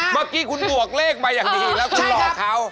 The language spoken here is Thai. เมื่อกี้คุณบวกเลขมาอย่างดีแล้วคุณหลอกเขา